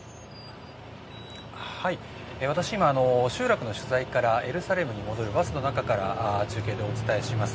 私は今、集落の取材からエルサレムに戻るバスの中から中継でお伝えします。